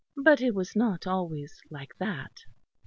But it was not always like that."